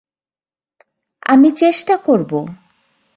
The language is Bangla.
আমি চেষ্টা করবো।